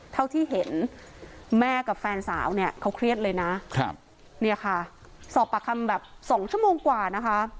เท่าที่เห็นแม่กับแฟนสาวเนี่ยเขาเครียดเลยนะเนี่ยค่ะสอบปากคำแบบ๒ชั่วโมงกว่านะคะ